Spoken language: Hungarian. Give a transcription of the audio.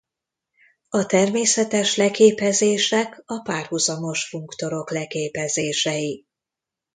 A természetes leképezések a párhuzamos funktorok leképezései.